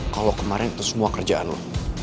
kalau kemarin itu semua kerjaan loh